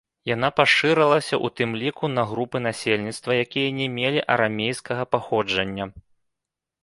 Яна пашырылася ў тым ліку на групы насельніцтва, якія не мелі арамейскага паходжання.